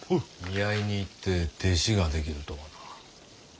見合いに行って弟子ができるとはな。